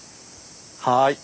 はい。